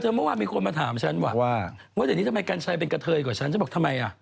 เธอเมื่อวานมีคนมาถามฉันว่าเมื่อเดี๋ยวนี้ทำไมกันชัยเป็นกะเทยกว่าฉัน